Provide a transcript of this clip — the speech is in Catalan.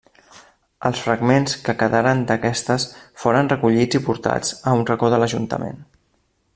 Els fragments que quedaren d'aquestes foren recollits i portats a un racó de l'Ajuntament.